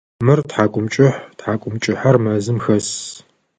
Мыр тхьакӏумкӏыхь, тхьакӏумкӏыхьэр мэзым хэс.